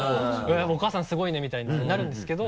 「お母さんすごいね」みたいになるんですけど。